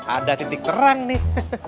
ada titik terang nih